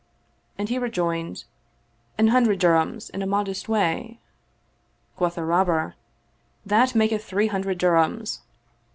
" and he rejoined, " An hundred dirhams in a modest way." Quoth the Robber, " That maketh three hundred dirhams."